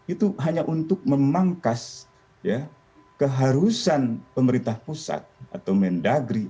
itu hanya untuk memangkas keharusan pemerintah pusat atau mendagri